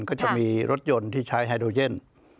ก็จะมีรถยนต์ที่ใช้ไฮโดเย่น